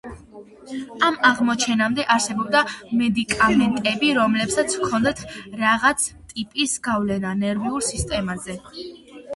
ამ აღმოჩენამდე არსებობდა მედიკამენტები, რომლებსაც ჰქონდათ რაღაც ტიპის გავლენა ნერვულ სისტემაზე.